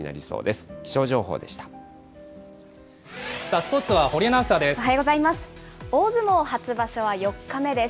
スポーツは堀アナウンサーです。